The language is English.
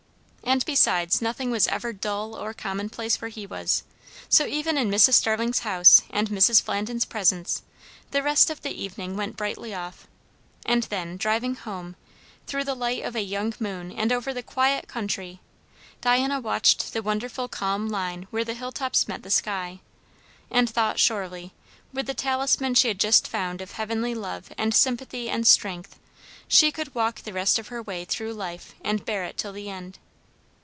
And besides, nothing was ever dull or commonplace where he was; so even in Mrs. Starling's house and Mrs. Flandin's presence, the rest of the evening went brightly off. And then, driving home, through the light of a young moon and over the quiet country, Diana watched the wonderful calm line where the hill tops met the sky; and thought, surely, with the talisman she had just found of heavenly love and sympathy and strength, she could walk the rest of her way through life and bear it till the end.